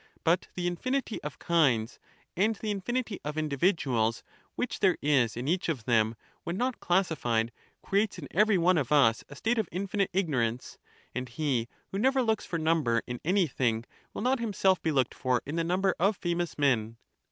But the infinity of kinds and the infinity of individuals which there is in each of them, when not classified, creates in every one of us a state of infinite ignorance ; and he who never looks for number in anything, will not himself be looked for in the number of famous men.